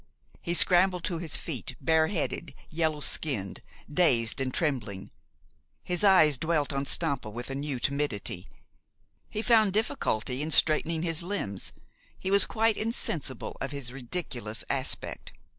He scrambled to his feet, bare headed, yellow skinned, dazed, and trembling. His eyes dwelt on Stampa with a new timidity. He found difficulty in straightening his limbs. He was quite insensible of his ridiculous aspect.